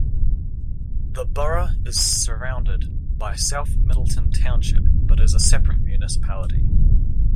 The borough is surrounded by South Middleton Township but is a separate municipality.